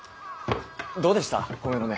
どうでした米の値。